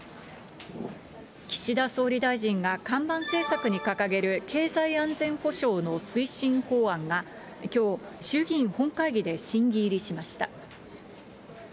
岸田総理大臣が看板政策に掲げる、経済安全保障の推進法案が、きょう、衆議院本会議で審議入りしました。